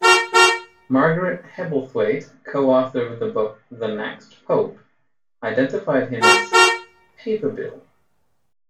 Margaret Hebblethwaite, co-author of the book "The Next Pope", identified him as "papabile".